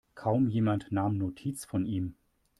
Kaum jemand nahm Notiz von ihm.